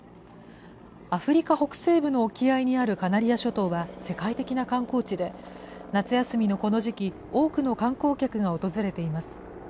アフリカ北西部の沖合にあるカナリア諸島は、世界的な観光地で、夏休みのこの時期、多くの観光客が訪れています。